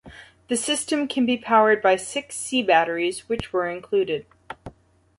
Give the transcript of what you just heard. The system can be powered by six C batteries, which were included.